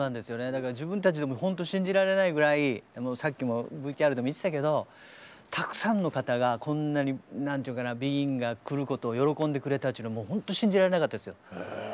だから自分たちでもほんと信じられないぐらいさっきもＶＴＲでも言ってたけどたくさんの方がこんなに何というかなＢＥＧＩＮが来ることを喜んでくれたというのもほんと信じられなかったですよ。